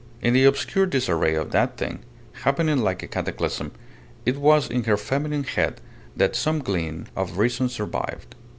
In the obscure disarray of that thing, happening like a cataclysm, it was in her feminine head that some gleam of reason survived.